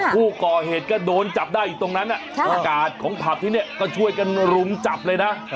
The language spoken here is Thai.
ผู้ก่อเหตุก็โดนจับได้อยู่ตรงนั้นกาดของผับที่นี่ก็ช่วยกันรุมจับเลยนะ